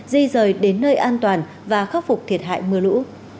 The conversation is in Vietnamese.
di rời đến nơi an toàn và khắc phục thiệt hại mưa lũ